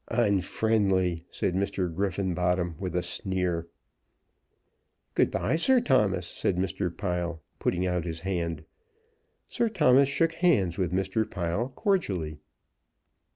"Unfriendly," said Mr. Griffenbottom with a sneer. "Good bye, Sir Thomas," said Mr. Pile, putting out his hand. Sir Thomas shook hands with Mr. Pile cordially.